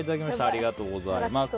ありがとうございます。